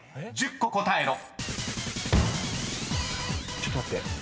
ちょっと待って。